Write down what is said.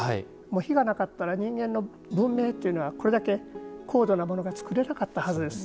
火がなかったら人間の文明というのはこれだけ高度なものがつくれなかったはずです。